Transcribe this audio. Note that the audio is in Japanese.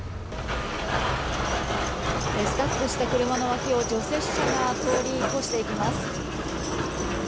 スタックした車の脇を除雪車が通り越していきます。